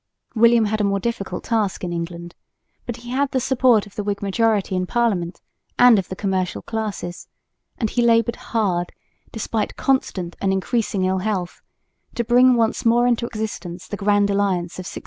William had a more difficult task in England, but he had the support of the Whig majority in Parliament and of the commercial classes; and he laboured hard, despite constant and increasing ill health, to bring once more into existence the Grand Alliance of 1689.